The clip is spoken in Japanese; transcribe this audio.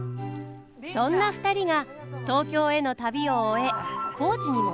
そんな２人が東京への旅を終え高知に戻ってきました。